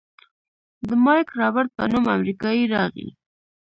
د مايک رابرټ په نوم امريکايي راغى.